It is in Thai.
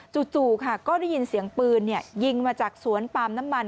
จู่ค่ะก็ได้ยินเสียงปืนยิงมาจากสวนปาล์มน้ำมัน